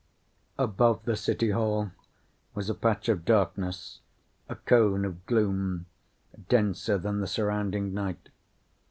Above the City Hall was a patch of darkness, a cone of gloom denser than the surrounding night.